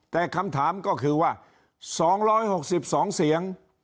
แต่คำถามก็คือว่าสองร้อยหกสิบสองเสียง